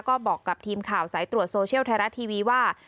ก็บอกกับทีมข่าวสายตรวจโซเชียลไทยรัฐทีวีว่า